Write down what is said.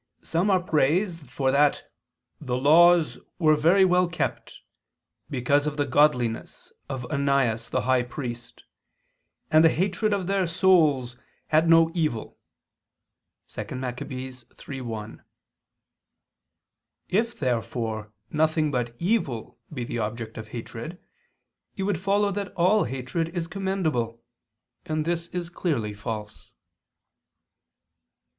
3:1) some are praised for that "the laws were very well kept, because of the godliness of Onias the high priest, and the hatred of their souls [Douay: 'his soul'] had no evil." If, therefore, nothing but evil be the object of hatred, it would follow that all hatred is commendable: and this is clearly false.